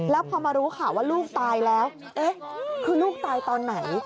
แล้วพอมารู้ข่าวว่าลูกตายแล้วเอ๊ะคือลูกตายตอนไหน